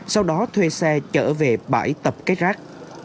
sau đó thuê xe trở về bãi tập kết rác